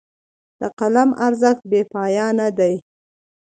د قلم ارزښت بې پایانه دی.